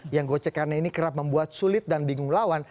yang gocekannya ini kerap membuat sulit dan bingung lawan